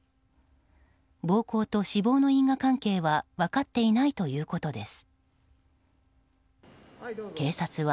暴行と死亡の因果関係は分かってないということです。